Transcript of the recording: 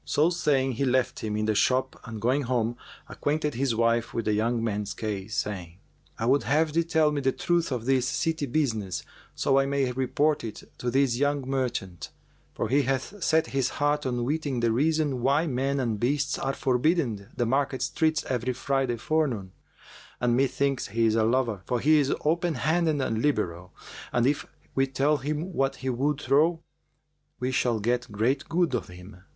So saying, he left him in the shop and going home, acquainted his wife with the young man's case, saying, "I would have thee tell me the truth of this city business, so I may report it to this young merchant, for he hath set his heart on weeting the reason why men and beasts are forbidden the market streets every Friday forenoon; and methinks he is a lover, for he is openhanded and liberal, and if we tell him what he would trow, we shall get great good of him."